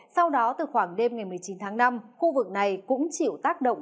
sau đó từ khoảng đêm ngày một mươi chín tháng năm khu vực này cũng chịu tác động